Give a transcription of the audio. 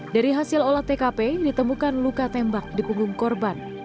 dari hasil olah tkp ditemukan luka tembak di punggung korban